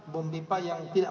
bom pipa yang tidak